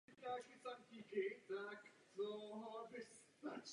Tvoří kód k zápisu genetické informace.